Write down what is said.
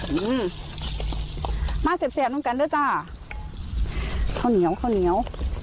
อืมมาเสียบเสียบน้องกันด้วยจ้าข้าวเหนียวข้าวเหนียว